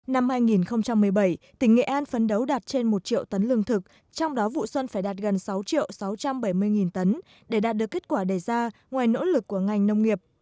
năm hai nghìn một mươi bảy tỉnh nghệ an phấn đấu đạt trên một triệu tấn lương thực trong đó vụ xuân phải đạt gần sáu sáu trăm bảy mươi tấn để đạt được kết quả đề ra ngoài nỗ lực của ngành nông nghiệp